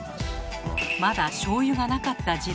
まだしょうゆがなかった時代。